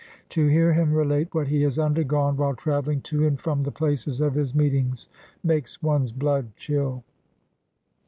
To hear him relate what x he has undergone, while travelling to and from the places of his meetings, makes one's blood chill.